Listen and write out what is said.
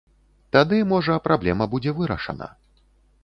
Тады, можа, праблема будзе вырашана.